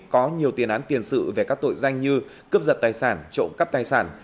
có nhiều tiền án tiền sự về các tội danh như cướp giật tài sản trộm cắp tài sản